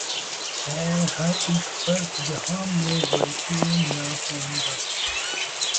ہے ہر اک فرد جہاں میں ورقِ ناخواندہ